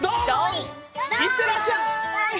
いってらっしゃい！